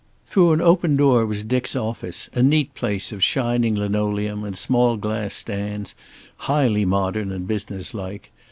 Through an open door was Dick's office, a neat place of shining linoleum and small glass stands, highly modern and business like.